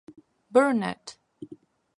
Burnett.